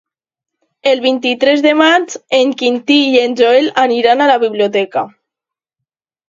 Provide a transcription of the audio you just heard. El vint-i-tres de maig en Quintí i en Joel aniran a la biblioteca.